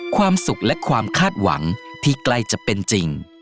ความสุขและความคาดหวังที่ใกล้จะเป็นจริง